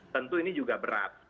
tentu ini juga berat